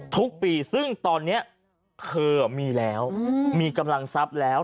ทุกปีซึ่งตอนนี้เธอมีแล้วมีกำลังทรัพย์แล้ว